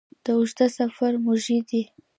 د اوږده سفر موزې دي